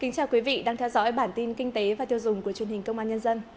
chào mừng quý vị đến với bản tin kinh tế và tiêu dùng của truyền hình công an nhân dân